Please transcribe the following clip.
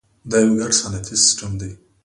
دا یو ګډ صنعتي سیستم دی.